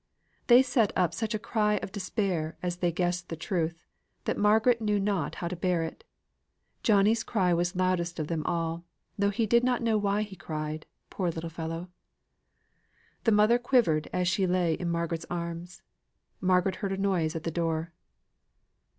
They set up such a cry of despair as they guessed the truth, that Margaret knew not how to bear it. Johnny's cry was loudest of them all, though he knew not why he cried, poor little fellow. The mother quivered as she lay in Margaret's arms. Margaret heard a noise at the door.